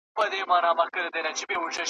اغیار بدنامه کړی یم شړې یې او که نه `